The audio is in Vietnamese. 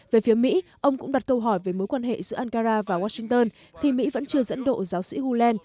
về phía mỹ ông cũng đặt câu hỏi về mối quan hệ giữa ankara và washington thì mỹ vẫn chưa dẫn độ giáo sĩ huland